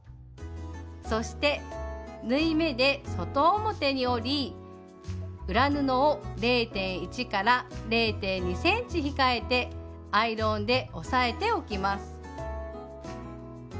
そして縫い目で外表に折り裏布を０．１０．２ｃｍ控えてアイロンで押さえておきます。